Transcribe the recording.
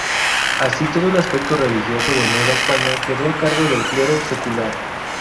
Así, todo el aspecto religioso de Nueva España quedó a cargo del clero secular.